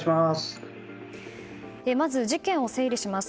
まず、事件を整理します。